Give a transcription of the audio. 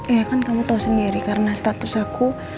iya kan kamu tau sendiri karena status aku